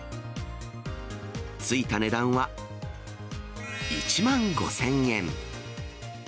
ついた値段は１万５０００円。